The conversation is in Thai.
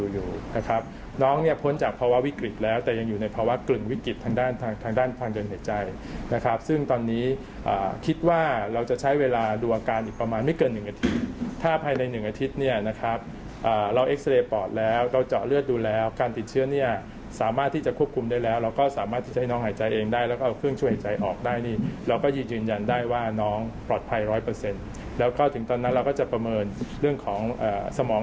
น้องคือน้องคือน้องคือน้องคือน้องคือน้องคือน้องคือน้องคือน้องคือน้องคือน้องคือน้องคือน้องคือน้องคือน้องคือน้องคือน้องคือน้องคือน้องคือน้องคือน้องคือน้องคือน้องคือน้องคือน้องคือน้องคือน้องคือน้องคือน้องคือน้องคือน้องคือน้องคือ